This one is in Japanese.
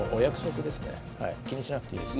気にしなくていいです。